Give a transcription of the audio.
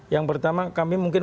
yang pertama kami mungkin